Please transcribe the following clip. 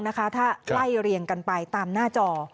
ถ้าไล่เรียงกันไปตามหน้าจอ